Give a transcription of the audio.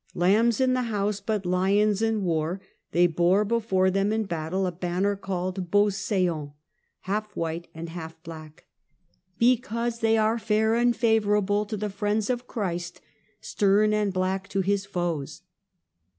Lambs in the house, but lions in war," they bore before them in battle a banner called " Beausdant," half white and half black, " because they are fair and favourable to the friends of Christ, stern and black to His foes."